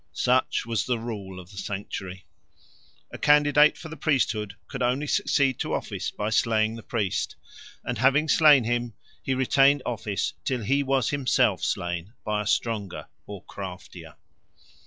Such was the rule of the sanctuary. A candidate for the priesthood could only succeed to office by slaying the priest, and having slain him, he retained office till he was himself slain by a stronger or a craftier.